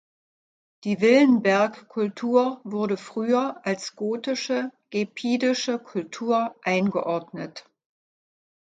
Die Willenberg-Kultur wurde früher als „gotische-gepidische Kultur“ eingeordnet.